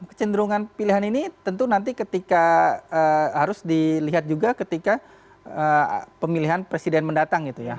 kecenderungan pilihan ini tentu nanti ketika harus dilihat juga ketika pemilihan presiden mendatang gitu ya